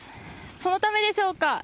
そのためでしょうか